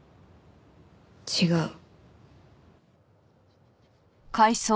違う。